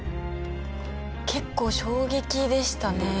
結構衝撃でしたね。